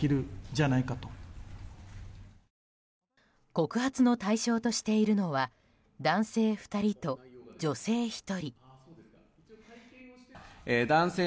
告発の対象としているのは男性２人と女性１人。